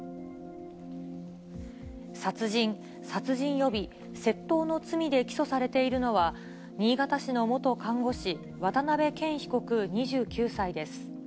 殺人・殺人予備・窃盗の罪で起訴されているのは、新潟市の元看護師、渡辺健被告２９歳です。